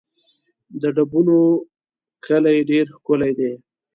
د ډبونو کلی ډېر ښکلی دی